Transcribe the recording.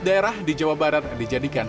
daerah di jawa barat dijadikan